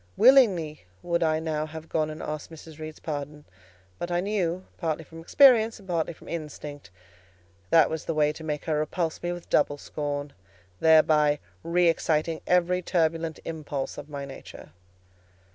Willingly would I now have gone and asked Mrs. Reed's pardon; but I knew, partly from experience and partly from instinct, that was the way to make her repulse me with double scorn, thereby re exciting every turbulent impulse of my nature.